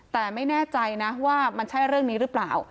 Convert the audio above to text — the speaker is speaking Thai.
แต่ไม่แน่ใจนะว่ามันใช่เรื่องนี้หรือเปล่า